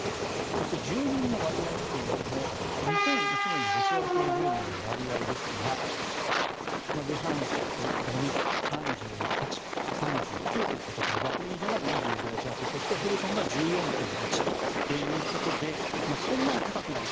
そして、住民の割合を見ても２００１年のロシア系住民の割合ですがルハンシク、ドネツク３８、３９といったところザポリージャが２５弱ヘルソンが１４．１ということでそんなに高くない。